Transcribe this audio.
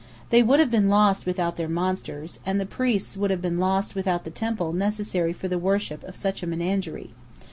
They would have been lost without their monsters; and the priests would have been lost without the temples necessary for the worship of such a menagerie.